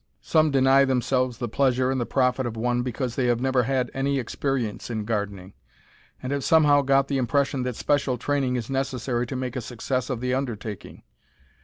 Some deny themselves the pleasure and the profit of one because they have never had any experience in gardening, and have somehow got the impression that special training is necessary to make a success of the undertaking.